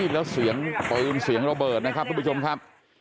แล้วเสียงปืนเสียงระเบิดนะครับทุกผู้ชมครับ